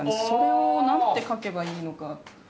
それを何て書けばいいのか。